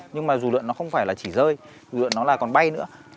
nhưng mà dụ lượng nó không phải là chỉ rơi dụ lượng nó là còn bay nữa